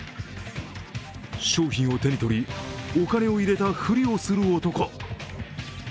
商品を手に取りお金を入れた振りをする男。